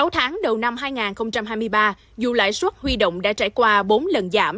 sáu tháng đầu năm hai nghìn hai mươi ba dù lãi suất huy động đã trải qua bốn lần giảm